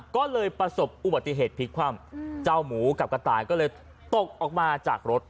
ก็เลยประสบอุบัติเหตุพลิกคว่ำเจ้าหมูกับกระต่ายก็เลยตกออกมาจากรถ